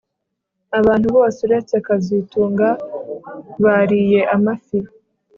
Abantu bose uretse kazitunga bariye amafi